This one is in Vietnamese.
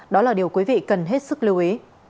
đó là điều quý vị cần hết sức lưu ý